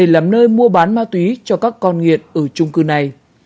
làm nơi mua bán ma túy cho các con nghiện ở trung cư này